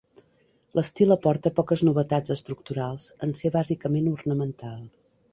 L'estil aporta poques novetats estructurals, en ser bàsicament ornamental.